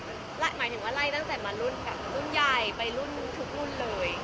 หมายถึงว่าไล่ตั้งแต่มารุ่นกับรุ่นใหญ่ไปรุ่นทุกรุ่นเลย